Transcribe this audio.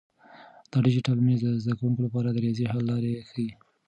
دا ډیجیټل مېز د زده کونکو لپاره د ریاضي حل لارې ښیي.